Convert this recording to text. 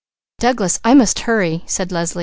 "Douglas, I must hurry!" said Leslie.